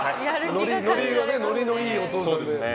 ノリのいいお父さんで。